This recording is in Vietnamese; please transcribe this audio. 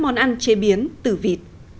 bởi các món ăn chế biến từ vịt